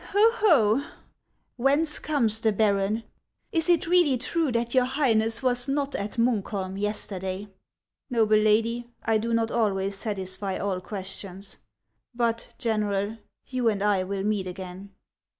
" Ho ! ho ! whence comes the baron ? Is it really true that your Highness was not at Munkholm yesterday ?"" Xoble lady, I do not always satisfy all questions. But, General, you and I will meet again."